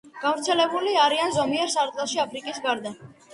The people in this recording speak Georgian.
გავრცელებული არიან ზომიერ სარტყელში აფრიკის გარდა.